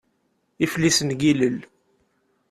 Iflisen n yilel.